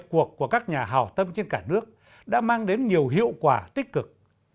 cuộc của các nhà hào tâm trên cả nước đã mang đến nhiều hiệu quả tích cực